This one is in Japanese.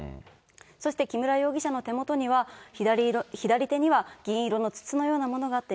そして木村容疑者の手元には、左手には銀色の筒のようなものがあって、